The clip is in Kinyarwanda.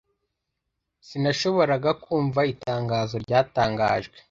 sinashoboraga kumva itangazo ryatangajwe